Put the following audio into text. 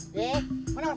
belah sana mun